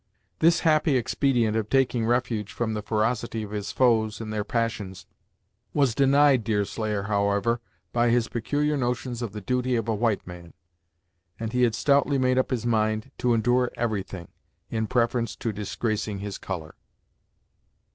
This happy expedient of taking refuge from the ferocity of his foes, in their passions, was denied Deerslayer however, by his peculiar notions of the duty of a white man, and he had stoutly made up his mind to endure everything, in preference to disgracing his colour.